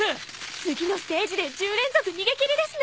次のステージで１０連続逃げ切りですね！